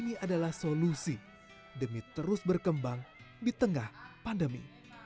ini adalah solusi demi terus berkembang di tengah pandemi